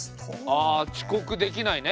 あ遅刻できないね。